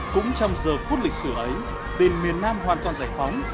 cũng trong giờ phút lịch sử ấy miền nam hoàn toàn giải phóng